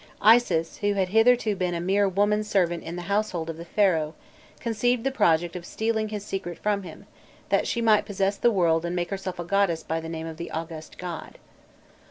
Isis, who had hitherto been a mere woman servant in the household of the Pharaoh, conceived the project of stealing his secret from him, "that she might possess the world and make herself a goddess by the name of the august god."